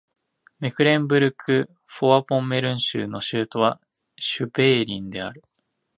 メクレンブルク＝フォアポンメルン州の州都はシュヴェリーンである